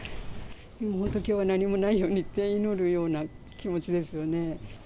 もうきょうは何もないようにって祈るような気持ちですよね。